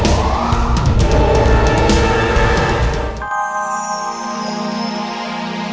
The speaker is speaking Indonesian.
datanglah ke madang